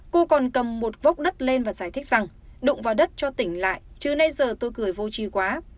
cô còn cầm một vốc đất lên và giải thích rằng đụng vào đất cho tỉnh lại chứ nay giờ tôi cười vô chi quá